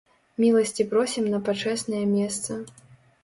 Міласці просім на пачэснае месца.